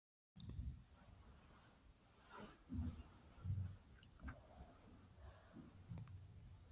ټکي په خوله بدل اورېدل کېږي.